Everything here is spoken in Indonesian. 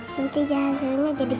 nanti jadi banget yuk